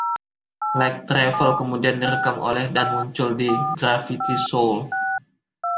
"Light Travels" kemudian direkam ulang dan muncul di Graffiti Soul.